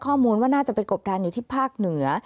ข้อมูลว่าน่าจะไปกบดันอยู่ที่ภาคเหนือ